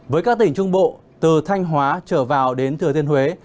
với các tỉnh trung bộ từ thanh hóa trở vào đến thừa thiên huế